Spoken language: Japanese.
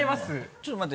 ちょっと待って。